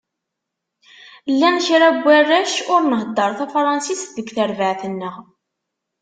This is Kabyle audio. Llan kra n warrac ur nhedder tafransist deg terbaεt-nneɣ.